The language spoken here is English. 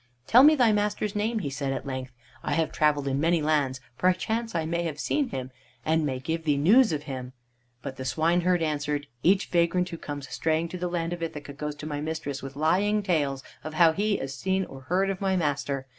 "Tell me thy master's name," he said at length. "I have traveled in many lands. Perchance I may have seen him, and may give thee news of him." But the swineherd answered: "Each vagrant who comes straying to the land of Ithaca goes to my mistress with lying tales of how he has seen or heard of my master.